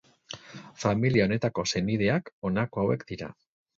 Familia honetako senideak honako hauek dira.